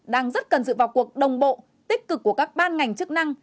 đang rất cần sự vào cuộc đồng bộ tích cực của các ban ngành chức năng